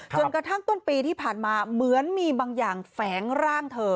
จนกระทั่งต้นปีที่ผ่านมาเหมือนมีบางอย่างแฝงร่างเธอ